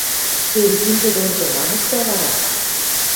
– Шергиндӹ донжы мам ӹштӓ вара?